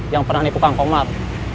yang pernah nipu kang komar